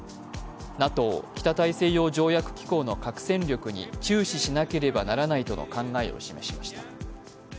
ＮＡＴＯ＝北大西洋条約機構の核戦力に注視しなければならないとの考えを示しました。